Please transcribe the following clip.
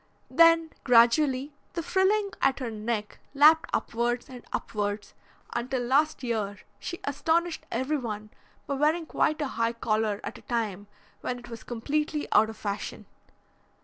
Then gradually the frilling at her neck lapped upwards and upwards, until last year she astonished everyone by wearing quite a high collar at a time when it was completely out of fashion.